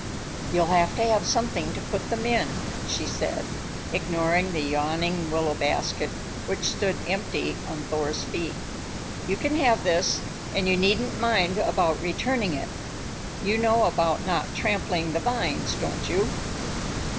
"You'll have to have something to put them in," she said, ignoring the yawning willow basket which stood empty on Thor's feet. "You can have this, and you needn't mind about returning it. You know about not trampling the vines, don't you?"